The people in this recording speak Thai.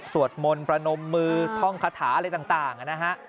สวดมนต์ประนมมือท่องคาถาอะไรต่างนะฮะ